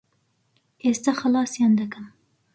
ئێستا خەلاسیان دەکەم.